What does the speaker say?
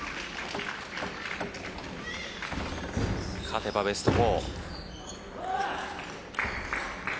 勝てばベスト４。